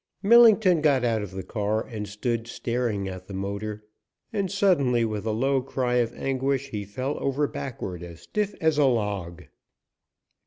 Millington got out of the car and stood staring at the motor, and suddenly, with a low cry of anguish, he fell over backward as stiff as a log.